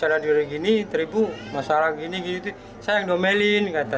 sang bayi dibawa ke klinik terdekat untuk dicek kesehatannya